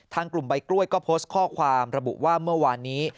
ทางกลุ่มใบกล้วยก็โพสต์ข้อความระบุว่าเมื่อวานนี้